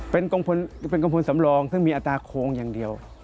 เป็นกองพลสำรองซึ่งมีอัตราโค้งอย่างเดียว